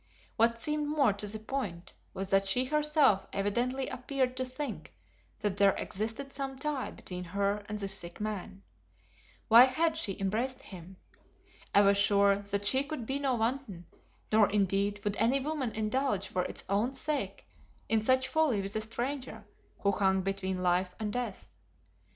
What seemed more to the point was that she herself evidently appeared to think that there existed some tie between her and this sick man. Why had she embraced him? I was sure that she could be no wanton, nor indeed would any woman indulge for its own sake in such folly with a stranger who hung between life and death.